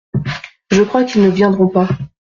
Je crois qu’ils ne viendront pas.